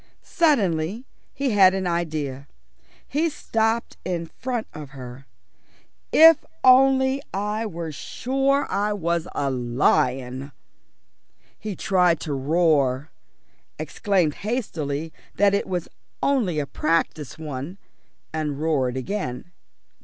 Suddenly he had an idea. He stopped in front of her. "If only I were sure I was a lion." He tried to roar, exclaimed hastily that it was only a practice one, and roared again.